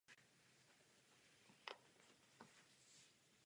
Jeho hudební pozůstalost sa nachází v "Literárním a hudebním muzeu" v Banské Bystrici.